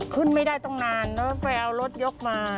ขึ้นไม่ได้ตั้งนานแล้วไปเอารถยกมา